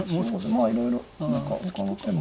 まあいろいろ何かほかの手も。